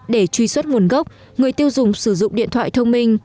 để truy xuất nguồn gốc người tiêu dùng sử dụng điện thoại thông minh